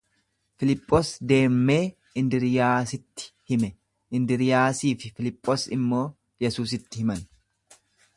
Filiphos deemmee Indriiyaasitti hime, Indriiyaasii fi Filiphos immoo Yesuusitti himan.